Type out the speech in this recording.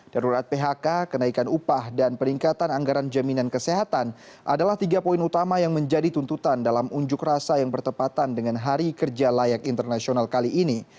darurat phk kenaikan upah dan peningkatan anggaran jaminan kesehatan adalah tiga poin utama yang menjadi tuntutan dalam unjuk rasa yang bertepatan dengan hari kerja layak internasional kali ini